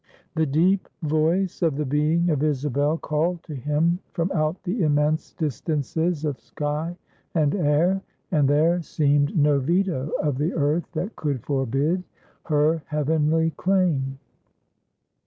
The deep voice of the being of Isabel called to him from out the immense distances of sky and air, and there seemed no veto of the earth that could forbid her heavenly claim.